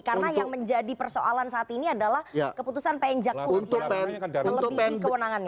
karena yang menjadi persoalan saat ini adalah keputusan pn jakpus yang melebihi kewenangannya